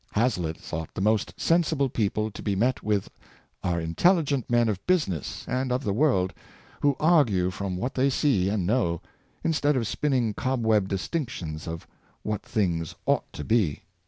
Hazlitt thought the most sensible people to be met with are intelligent men of business and of the world, who argue from what they see and know, instead of spinning cobweb distinctions of what things ought to be.